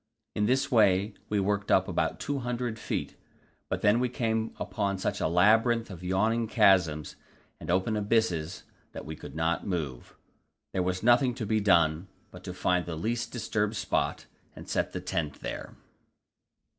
In this way we worked up about 200 feet, but then we came upon such a labyrinth of yawning chasms and open abysses that we could not move. There was nothing to be done but to find the least disturbed spot, and set the tent there.